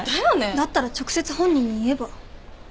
だったら直接本人に言えば？